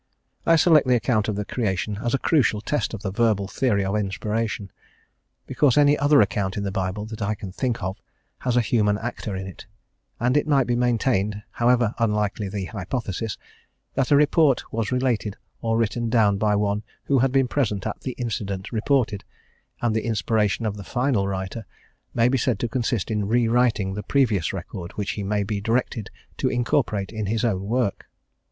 I select the account of the Creation as a crucial test of the verbal theory of inspiration, because any other account in the Bible that I can think of has a human actor in it, and it might be maintained however unlikely the hypothesis that a report was related or written down by one who had been present at the incident reported, and the inspiration of the final writer may be said to consist in re writing the previous record which he may be directed to incorporate in his own work.